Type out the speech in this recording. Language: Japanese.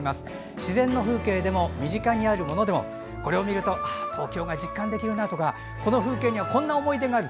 自然の風景でも身近にあるものでもこれを見ると東京を実感できるとかこの風景に、こんな思い出がある。